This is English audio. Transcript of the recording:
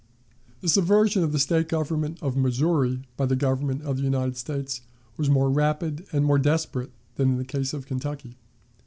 The subversion of the State government of Missouri by the Government of the United States was more rapid and more desperate than in the case of Kentucky.